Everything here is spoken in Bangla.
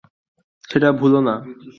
সেটা ভুলো না।